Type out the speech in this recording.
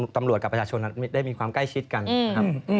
ตำรวจกับประชาชนได้มีความใกล้ชิดกันครับ